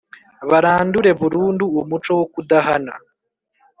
barandure burundu umuco wo kudahana,